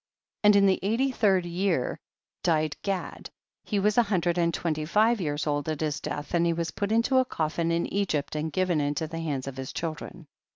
5. And in liie eighty third year died (iad, he was a hundred and twenty five years old at iiis death, and he was put into a coffin in Egypt, and given into the hands of iiis chil dren.